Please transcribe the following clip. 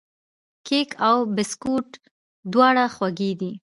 کیک او بسکوټ دواړه خوږې دي.